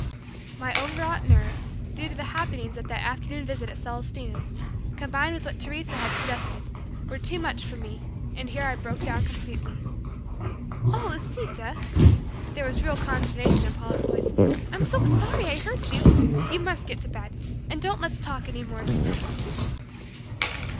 My overwrought nerves, due to the happenings at that afternoon visit at Celestina's, combined with what Teresa had suggested, were too much for me, and here I broke down completely. "Oh, Lisita!" there was real consternation in Paula's voice, "I'm so sorry I hurt you! You must get to bed, and don't let's talk any more tonight."